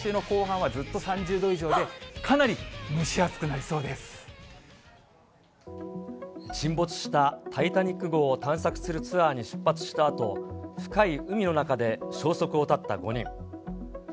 しかも来週の後半はずっと３０度以上で、かなり蒸し暑くなりそう沈没したタイタニック号を探索するツアーに出発したあと、深い海の中で消息を絶った５人。